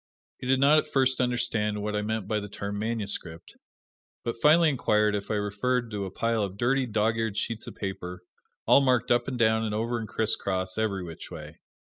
He did not at first understand what I meant by the term "manuscript," but finally inquired if I referred to a pile of dirty, dog eared sheets of paper, all marked up and down and over and crisscross, ev'ry which way.